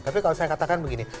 tapi kalau saya katakan begini